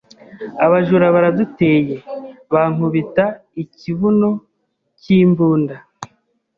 abajura baraduteye bankubita ikibuno cy’imbunda